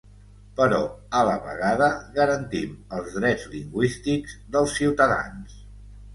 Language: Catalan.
Però a la vegada, garantim els drets lingüístics dels ciutadans.